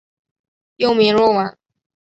幼名若丸。